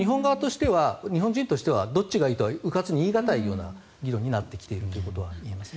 日本人としてはどっちがいいとかうかつに言い難い議論になってきているというのはありますね。